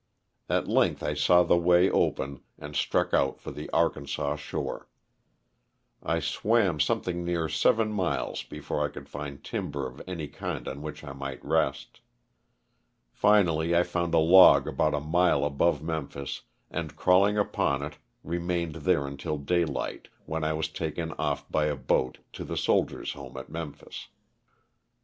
At length I saw the way open and struck out for the Arkansas shore. I swam something near seven miles before I could find timber of any kind on which I might rest. Finally I found a log about a mile above Memphis and crawling upon it remained there until daylight, when I was taken off by a boat to the Soldiers' Home at Memphis.